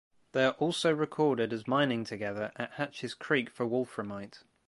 They are also recorded as mining together at Hatches Creek for wolframite.